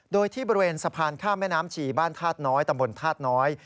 โดยที่บริเวณสะพานข้ามแม่น้ำชีบ้านธาตุน้อยตำบลธาตุน้อย